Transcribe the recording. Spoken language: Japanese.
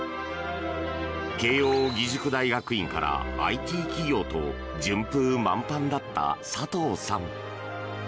慶應義塾大学院からＩＴ企業と順風満帆だった佐藤さん。